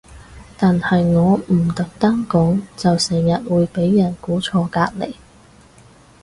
但係我唔特登講就成日會俾人估錯隔離